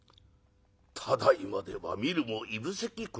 ただいまでは見るもいぶせき